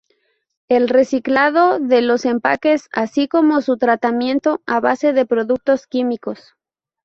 El reciclado de los empaques así como su tratamiento a base de productos químicos.